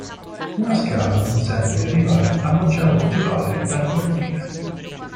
Una scala consente di arrivare al loggiato ogivale dal cortile.